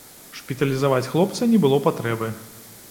Шпіталізаваць хлопца не было патрэбы.